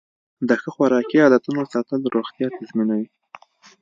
د ښه خوراکي عادتونو ساتل روغتیا تضمینوي.